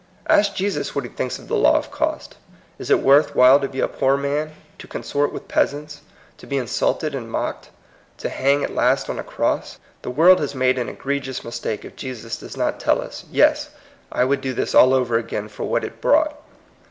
Ask Jesus what he thinks of the law of cost. Is it worth while to be a poor man, to consort with peasants, to be insulted and mocked, to hang at last on a cross? The world has made an egregious mistake if Jesus does not tell us, ^^Yes, I would do this all over again for what it brought